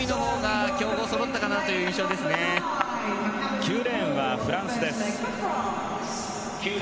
９レーンはフランスですね。